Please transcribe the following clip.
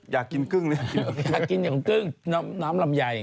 อยากกินกึ้งเลย